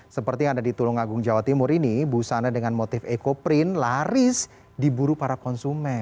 seperti yang ada di tulungagung jawa timur ini busana dengan motif ecoprint laris diburu para konsumen